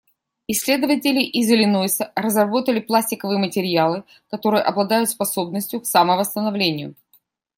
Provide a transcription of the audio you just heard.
Исследователи из Иллинойса разработали пластиковые материалы, которые обладают способностью к самовосстановлению.